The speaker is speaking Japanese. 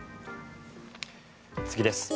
次です。